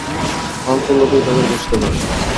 অল্প লোকেই তাঁদের বুঝতে পারে।